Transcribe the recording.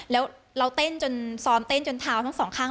แล้วเราเต้นจนซ้อมเต้นจนเท้าทั้งสองข้าง